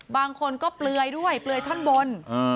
บางคนก็เปลือยด้วยเปลือยท่อนบน